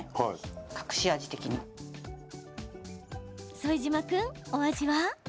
副島君、お味は？